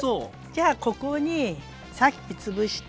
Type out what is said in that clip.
じゃあここにさっきつぶした。